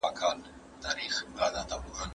لنګۍ په کور کي نه تړل کېږي.